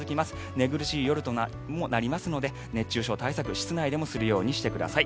寝苦しい夜となりますので熱中症対策、室内でもするようにしてください。